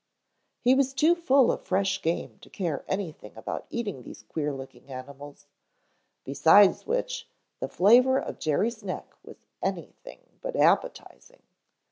He was too full of fresh game to care anything about eating these queer looking animals, besides which the flavor of Jerry's neck was anything but appetizing.